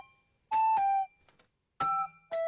ピッ。